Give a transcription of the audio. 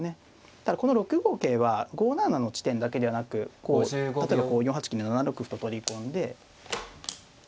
ただこの６五桂は５七の地点だけではなくこう例えば４八金で７六歩と取り込んで７七桂打ちとか。